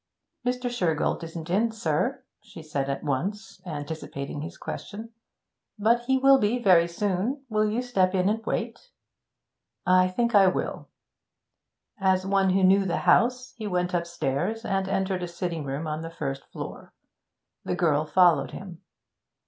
'Mr. Shergold isn't in, sir,' she said at once, anticipating his question. 'But he will be very soon. Will you step in and wait?' 'I think I will.' As one who knew the house, he went upstairs, and entered a sitting room on the first floor. The girl followed him.